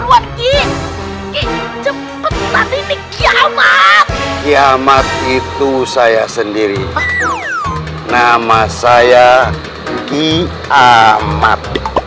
hai ki cepetan ini kiamat kiamat itu saya sendiri nama saya ki amat